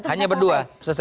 hanya berdua selesai